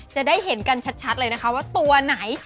จะได้เห็นกันชัดเลยนะคะว่าตัวไหน